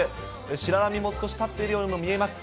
白波も少し立っているようにも見えます。